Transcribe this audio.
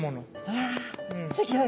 うわすギョい。